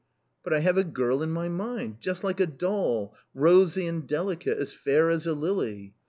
" But I have a girl in my mind — just like a doll, rosy and delicate, as fair as a lily.